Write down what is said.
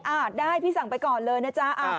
ได้พี่สั่งไปก่อนเลยนะจ๊ะ